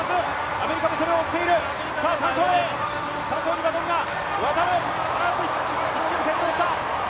アメリカもそれを追っている３走にバトンが渡る！